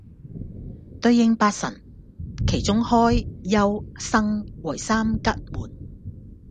對應八神。其中開、休、生為三吉門